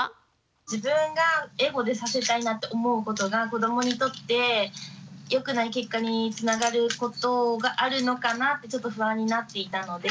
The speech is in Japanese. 自分がエゴでさせたいなって思うことが子どもにとってよくない結果につながることがあるのかなってちょっと不安になっていたので。